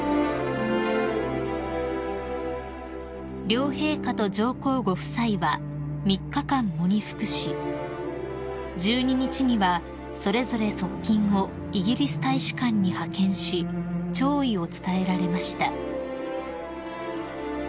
［両陛下と上皇ご夫妻は３日間喪に服し１２日にはそれぞれ側近をイギリス大使館に派遣し弔意を伝えられました］